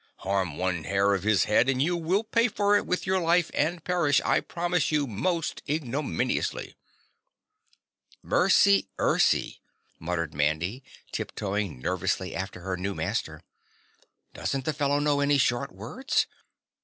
Harm one hair of his head, and you will pay for it with your life and perish, I promise you, most ignominiously." "Mercy ercy," muttered Mandy tiptoeing nervously after her new master, "doesn't the fellow know any short words?